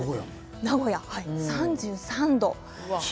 名古屋は３３度。